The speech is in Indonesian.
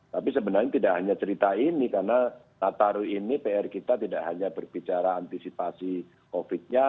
tapi sebenarnya tidak hanya cerita ini karena nataru ini pr kita tidak hanya berbicara antisipasi covid nya